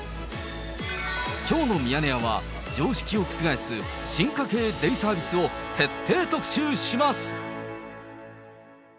きょうのミヤネ屋は、常識を覆す進化形デイサービスを徹底特集します。